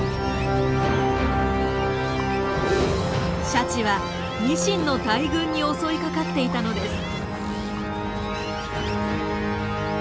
シャチはニシンの大群に襲いかかっていたのです。